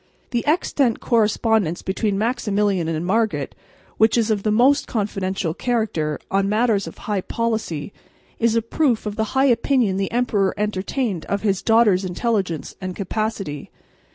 The extant correspondence between Maximilian and Margaret, which is of the most confidential character, on matters of high policy, is a proof of the high opinion the emperor entertained of his daughter's intelligence and capacity.